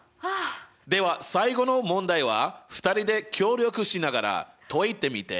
では最後の問題は２人で協力しながら解いてみて！